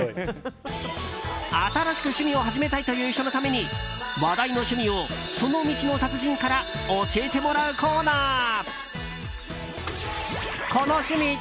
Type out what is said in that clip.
新しく趣味を始めたいという人のために話題の趣味をその道の達人から教えてもらうコーナー。